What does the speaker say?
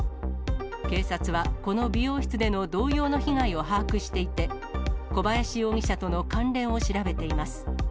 警察は、この美容室での同様の被害を把握していて、小林容疑者との関連を調べています。